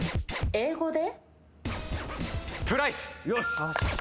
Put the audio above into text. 英語で？